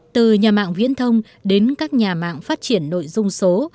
từ nhà mạng viễn thông đến các nhà mạng phát triển nội dung số